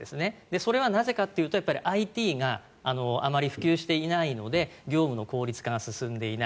それはなぜかというとＩＴがあまり普及していないので業務の効率化が進んでいない。